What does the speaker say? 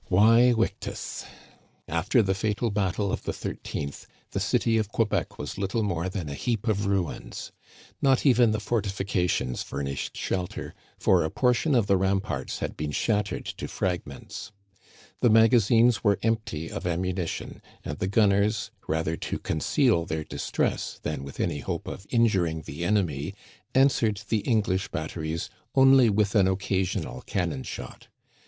Vae vicHs! After the fatal battle of the 13th the city of Quebec was little more than a heap of ruins. Not even the fortifications furnished shelter, for a por tion of the ramparts had been shattered to fragments. The magazines were empty of ammunition, and the gun Digitized by VjOOQIC 2CX) 3r^^ CANADIANS OF OLD. ners, rather to conceal their distress than with any hope of injuring the enemy, answered the English batteries only with an occasional cannon shot.